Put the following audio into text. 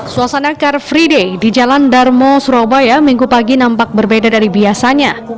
suasana car free day di jalan darmo surabaya minggu pagi nampak berbeda dari biasanya